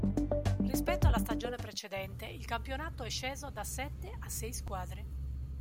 Rispetto alla stagione precedente, il campionato è sceso da sette a sei squadre.